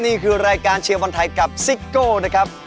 นี่คือรายการเชียร์บอลไทยกับซิโก้นะครับ